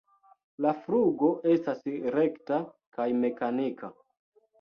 La flugo estas rekta kaj mekanika.